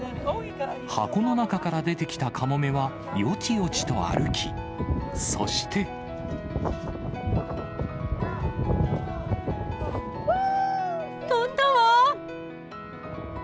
箱の中から出てきたカモメはよちよちと歩き、そして。飛んだわ！